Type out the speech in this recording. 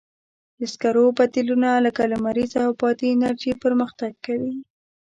د سکرو بدیلونه لکه لمریزه او بادي انرژي پرمختګ کوي.